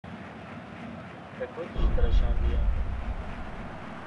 Te got ji te re şandiye?